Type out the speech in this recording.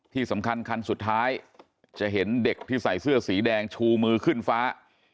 ที่สำคัญคันสุดท้ายจะเห็นเด็กที่ใส่เสื้อสีแดงชูมือขึ้นฟ้า